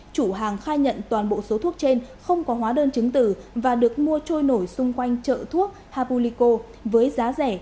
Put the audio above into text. chủ hàng khai nhận toàn bộ số thuốc trên không có hóa đơn chứng tử và được mua trôi nổi xung quanh chợ thuốc hapulico với giá rẻ